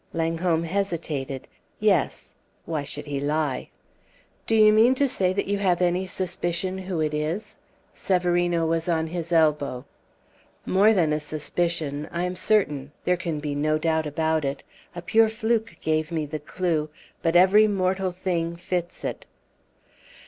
Langholm hesitated. "Yes." Why should he lie? "Do you mean to say that you have any suspicion who it is?" Severino was on his elbow. "More than a suspicion. I am certain. There can be no doubt about it. A pure fluke gave me the clew, but every mortal thing fits it."